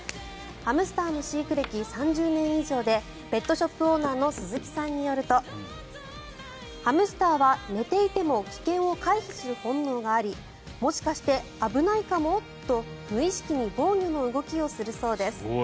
ハムスターの飼育歴３０年以上でペットショップオーナーの鈴木さんによるとハムスターは寝ていても危険を回避する本能がありもしかして危ないかも？と無意識に防御の動きをするそうです。